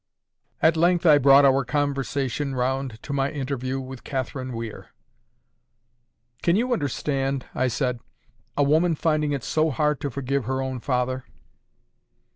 At length I brought our conversation round to my interview with Catherine Weir. "Can you understand," I said, "a woman finding it so hard to forgive her own father?"